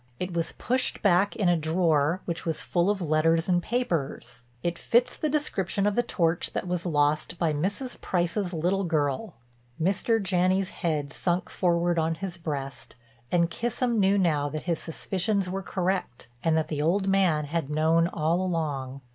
It was pushed back in a drawer which was full of letters and papers. It fits the description of the torch that was lost by Mrs. Price's little girl." Mr. Janney's head sunk forward on his breast, and Kissam knew now that his suspicions were correct and that the old man had known all along.